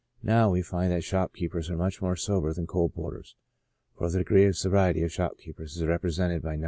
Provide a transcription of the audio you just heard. Now, we find that shop keepers are much more sober than coal porters, for the degree of sobriety of shopkeepers is represented by No.